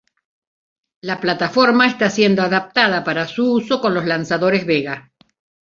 La plataforma está siendo adaptada para su uso con los lanzadores Vega.